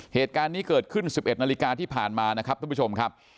เหตุการณ์นี้เกิดขึ้น๑๑นาฬิกาที่ผ่านมานะครับท่านผู้ชมครับ